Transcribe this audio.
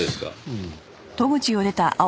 うん。